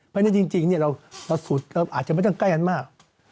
เพราะฉะนั้นจริงเราสูตรเราอาจจะไม่ต้องใกล้กันมาก